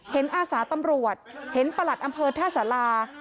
อาสาตำรวจเห็นประหลัดอำเภอท่าสารา